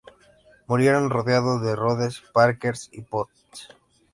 Muriendo rodeado de Rodes, Parker y Potts.